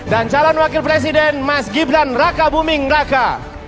dan calon wakil presiden mas gibran raka buming raka